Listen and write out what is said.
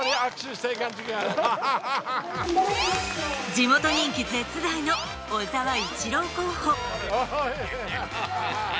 地元人気絶大の小沢一郎候補。